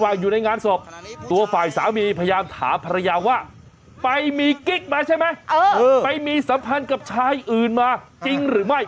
วายอยู่ในงานสมตัวฝ่ายจะนีพยายามถามภรรยาวะไปมีกริกมาใช่ไหมเออไม่มีสัมพันธ์กับชายอื่นมาจงหรือไม่